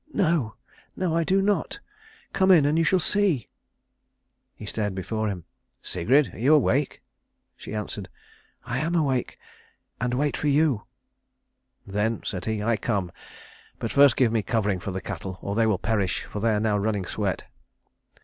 "No, no, I do not. Come in and you shall see." He stared before him. "Sigrid, are you awake?" She answered, "I am awake, and wait for you." "Then," said he, "I come, but first give me covering for the cattle or they will perish, for they are now running sweat."